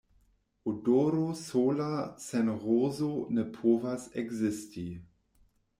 Odoro sola sen rozo ne povas ekzisti.